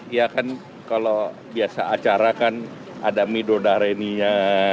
ya kan kalau biasa acara kan ada midodarenia